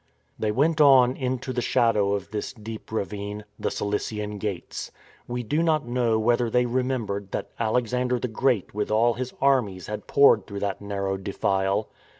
They went on into the shadow of this deep ravine — ^the Cilician Gates. We do not know whether they remembered that Alexander the Great with all his FINDING A SON 173 armies had poured through that narrow defile.